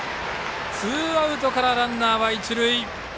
ツーアウトからランナーは一塁。